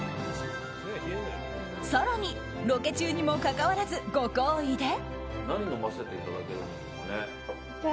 更に、ロケ中にもかかわらずご厚意で。